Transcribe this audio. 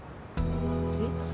えっ？